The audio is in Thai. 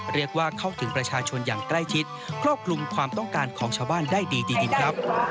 เรียกว่าเข้าถึงประชาชนอย่างใกล้ชิดครอบคลุมความต้องการของชาวบ้านได้ดีจริงครับ